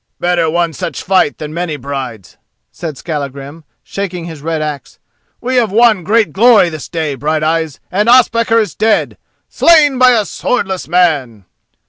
"Better one such fight than many brides," said Skallagrim, shaking his red axe. "We have won great glory this day, Brighteyes, and Ospakar is dead—slain by a swordless man!"